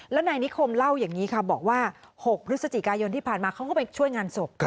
แล้วนายนิคมเล่าอย่างนี้ค่ะบอกว่า๖พฤศจิกายนที่ผ่านมาเขาก็ไปช่วยงานศพ